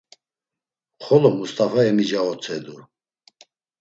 Xolo Must̆afa emica otzedu.